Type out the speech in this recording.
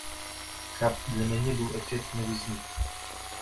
Каб для мяне быў эфект навізны.